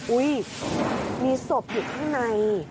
อุ๊ยมีศพอยู่ข้างใน